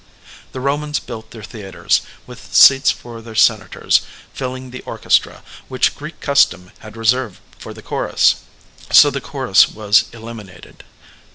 The Romans built their theatres, with seats for their senators filling the orchestra which Greek cus tom had reserved for the chorus ; so the chorus was eliminated.